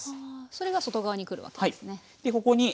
それが外側にくるわけですね。